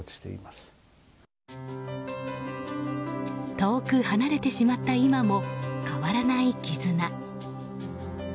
遠く離れてしまった今も変わらない絆。